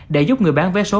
để giúp người bán vé số